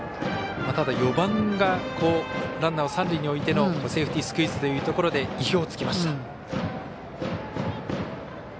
ただ４番がランナーを三塁に置いてのセーフティースクイズというところで意表をつきました。